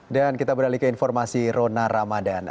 dan kita beralih ke informasi rona ramadan